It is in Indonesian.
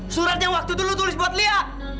surat yang waktu dulu lo tulis buat lia